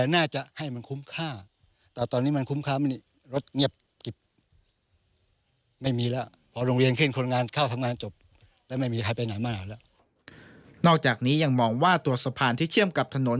นอกจากนี้ยังมองว่าตัวสะพานที่เชื่อมกับถนน